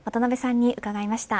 渡辺さんに伺いました。